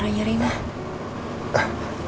saya keluarin gan resit